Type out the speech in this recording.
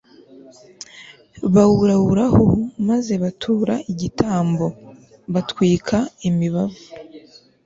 bawurahuraho maze batura igitambo, batwika imibavu